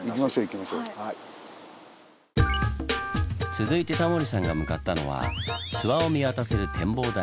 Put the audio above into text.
続いてタモリさんが向かったのは諏訪を見渡せる展望台。